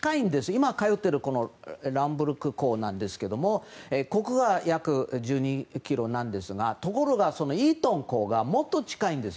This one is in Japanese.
今通ってるランブルック校ですがここが約１２ｋｍなんですがイートン校はもっと近いんです。